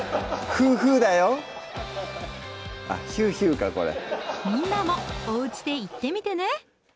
あっ「ヒューヒュー」かこれみんなもおうちで言ってみてね！